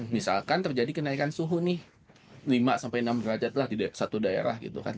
misalkan terjadi kenaikan suhu nih lima sampai enam derajat lah di satu daerah gitu kan